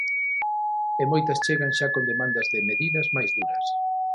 E moitas chegan xa con demandas de medidas máis duras.